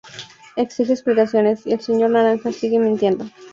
Exige explicaciones, y el señor Naranja sigue mintiendo.